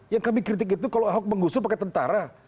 yang kami kritik itu kalau ahok mengusung pakai tentara